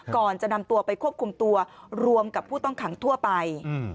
ก่อนจะนำตัวไปควบคุมตัวรวมกับผู้ต้องขังทั่วไป